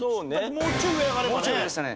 もうちょい上上がればね。